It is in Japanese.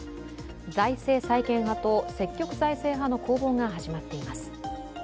財政再建派と積極財政派の攻防が始まっています。